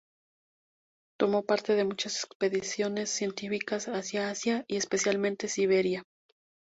Tomó parte de muchas expediciones científicas hacia Asia y, especialmente, Siberia.